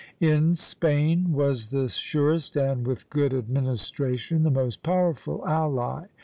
In Spain was the surest, and, with good administration, the most powerful ally.